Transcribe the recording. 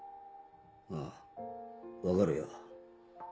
ああ分かるよ。